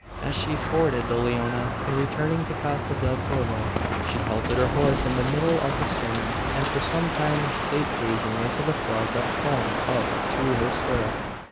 As she forded the Leona, in returning to Casa del Corvo, she halted her horse in the middle of the stream; and for some time sate gazing into the flood that foamed up to her stirrup.